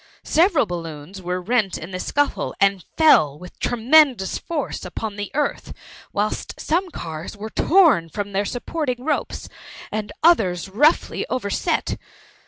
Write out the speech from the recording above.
Several balloons were rent in the scuffle and fell with tremendous force upon the 1^^ THB MUMMY. 281 earth; whilst some cars were torn, from their supporting ropes, and others roughly overset.